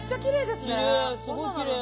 すごいきれい。